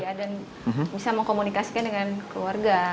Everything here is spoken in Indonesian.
ya dan bisa mengkomunikasikan dengan keluarga